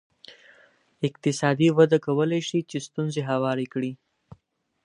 اقتصادي وده کولای شي چې ستونزې هوارې کړي.